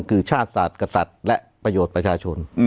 คือชาติศาสตร์กษัตริย์และประโยชน์ประชาชน